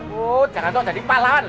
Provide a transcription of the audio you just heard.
oh jangan dong jadi kepalaan lio